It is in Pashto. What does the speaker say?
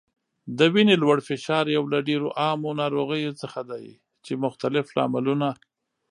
د وینې لوړ فشار یو له ډیرو عامو ناروغیو څخه دی چې مختلف لاملونه